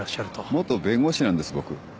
元弁護士なんです僕。